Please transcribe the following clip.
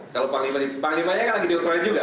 ya panglima kalau panglimanya kan lagi diutrolin juga